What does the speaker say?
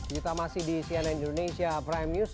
kita masih di cnn indonesia prime news